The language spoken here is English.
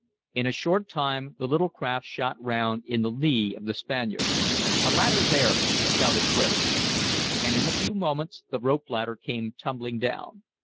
In a short time the little craft shot round in the lee of the Spaniard. "A ladder there!" shouted Clif. And in a few moments the rope ladder came tumbling down.